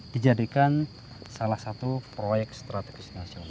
dijadikan salah satu proyek strategis nasional